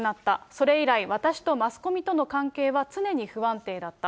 それ以来、私とマスコミとの関係は常に不安定だった。